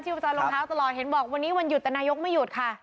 พจรรองเท้าตลอดเห็นบอกวันนี้วันหยุดแต่นายกไม่หยุดค่ะ